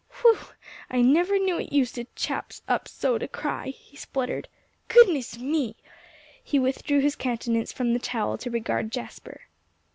"Whew! I never knew it used a chap up so to cry," he spluttered. "Goodness me!" He withdrew his countenance from the towel to regard Jasper.